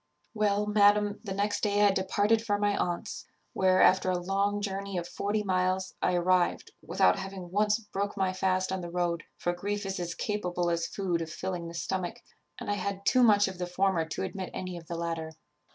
"Well, madam, the next day I departed for my aunt's, where, after a long journey of forty miles, I arrived, without having once broke my fast on the road; for grief is as capable as food of filling the stomach, and I had too much of the former to admit any of the latter.